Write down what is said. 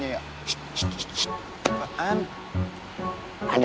kita bisa mencari